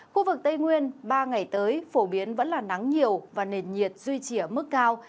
khu vực tây nguyên ba ngày tới phổ biến vẫn là nắng nhiều và nền nhiệt duy trì ở mức cao